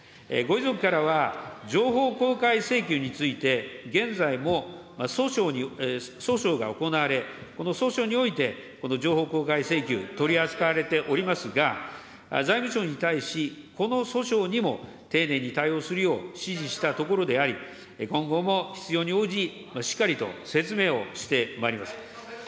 ご遺族からは、情報公開請求について、現在も訴訟が行われ、この訴訟において、この情報公開請求、取り扱われておりますが、財務省に対し、この訴訟にも丁寧に対応するよう指示したところであり、今後も必要に応じ、しっかりと説明をしてまいります。